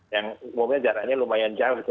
yang umumnya jaraknya lumayan jauh